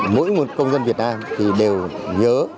mỗi một công dân việt nam thì đều nhớ